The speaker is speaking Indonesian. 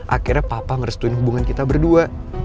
akhirnya papa ngerestuin hubungan kita berdua